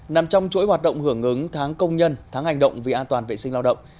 nằm trong chuỗi hoạt động hưởng ứng tháng công nhân tháng hành động vì an toàn vệ sinh lao động